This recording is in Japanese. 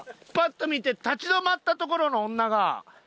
パッと見て立ち止まったところの女が。